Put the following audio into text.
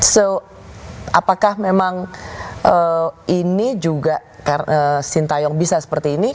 so apakah memang ini juga sintayong bisa seperti ini